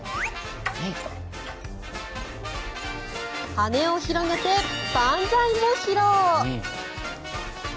羽を広げて万歳も披露。